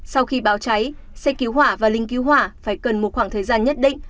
sau khi báo cháy xe cứu hỏa và linh cứu hỏa phải cần một khoảng thời gian nhất định